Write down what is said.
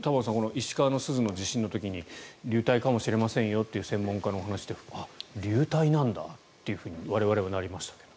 石川の珠洲の地震の時に流体かもしれませんよという専門家のお話で流体なんだというふうに我々はなりましたが。